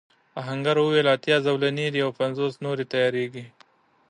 آهنګر وویل اتيا زولنې دي او پنځوس نورې تياریږي.